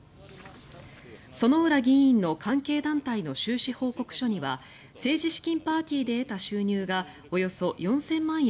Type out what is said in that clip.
薗浦議員の関係団体の収支報告書には政治資金パーティーで得た収入がおよそ４０００万円